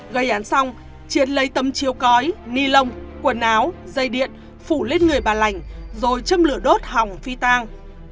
gây án xong chiến lấy tấm chiêu cói ni lông quần áo dây điện phủ lên người bà lảnh rồi châm lửa đốt hòng phi tang